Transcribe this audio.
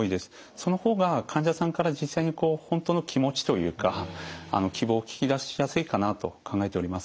その方が患者さんから実際に本当の気持ちというか希望を聞き出しやすいかなと考えております。